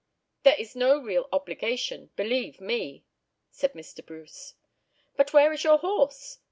"There is no real obligation, believe me," said Mr. Bruce. "But where is your horse?"